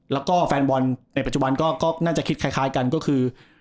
แล้วก็แฟนบอลในปัจจุบันก็น่าจะคิดคล้ายกันก็คือ